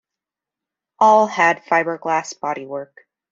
All had fiberglass bodywork.